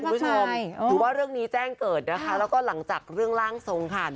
หรือว่าเรื่องนี้แจ้งเกิดนะคะแล้วก็หลังจากเรื่องร่างทรงค่ะ